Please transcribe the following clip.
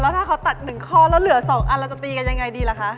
เอาไร้ไปแล้วถ้าของกาวตัด๑ข้อแล้วเหลือ๒อันเราก็จะตีกันยังไงดีล่ะคะ